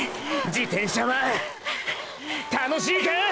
自転車は楽しいかァ！！